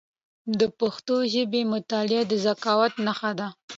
د پښتو ژبي مطالعه د ذکاوت نښه ده.